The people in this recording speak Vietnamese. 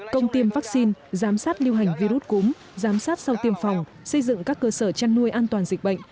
công tiêm vaccine giám sát lưu hành virus cúm giám sát sau tiêm phòng xây dựng các cơ sở chăn nuôi an toàn dịch bệnh